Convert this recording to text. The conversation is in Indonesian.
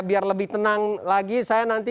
biar lebih tenang lagi saya nanti